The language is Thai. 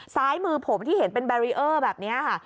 ซ้ายมือผมที่เห็นเป็นแบรีเออร์แบบนี้ค่ะ